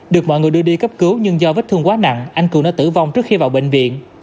được mọi người đưa đi cấp cứu nhưng do vết thương quá nặng anh cường đã tử vong trước khi vào bệnh viện